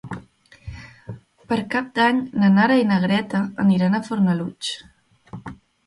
Per Cap d'Any na Nara i na Greta aniran a Fornalutx.